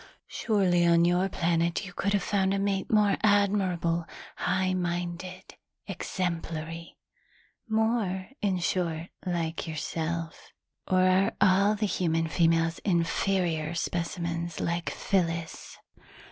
"Surely on your planet you could have found a mate more admirable, high minded, exemplary more, in short, like yourself. Or are all the human females inferior specimens like Phyllis?"